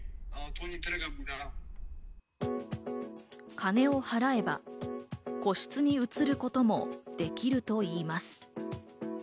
金を払えば、個室に移ることもできるといいます。